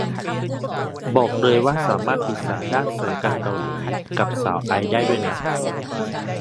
บอกเลยว่าสามารถปรึกษาด้านศัลยกรรมเกาหลีกับสาวไอซ์ได้ด้วยนะ